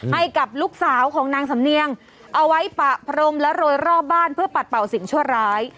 ให้กับลูกสาวของนางสำเนียงเอาไว้ปะพรมและโรยรอบบ้านเพื่อปัดเป่าสิ่งชั่วร้าย